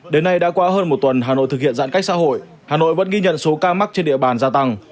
đến nay đã qua hơn một tuần hà nội thực hiện giãn cách xã hội hà nội vẫn ghi nhận số ca mắc trên địa bàn gia tăng